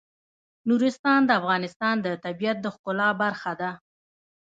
نورستان د افغانستان د طبیعت د ښکلا برخه ده.